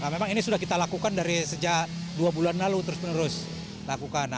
memang ini sudah kita lakukan dari sejak dua bulan lalu terus menerus lakukan